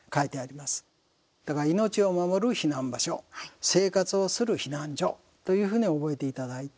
だから、命を守る避難場所生活をする避難所というふうに覚えていただいて。